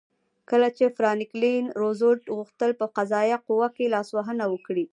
کله چې فرانکلین روزولټ غوښتل په قضایه قوه کې لاسوهنه وکړي.